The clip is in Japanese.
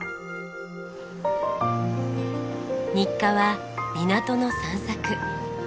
日課は港の散策。